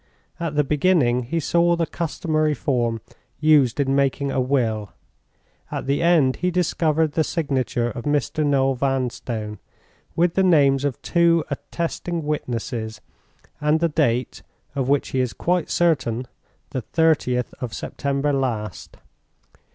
At the beginning he saw the customary form used in making a will; at the end he discovered the signature of Mr. Noel Vanstone, with the names of two attesting witnesses, and the date (of which he is quite certain)—_the thirtieth of September last.